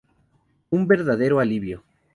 Un verdadero alivio.